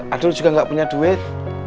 adul juga nggak punya duit